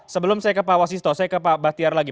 sebelum saya ke pak wasisto saya ke pak bahtiar lagi